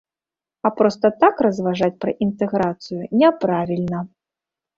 А проста так разважаць пра інтэграцыю, няправільна.